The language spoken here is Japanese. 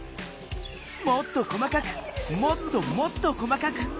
もっと細かくもっともっと細かく。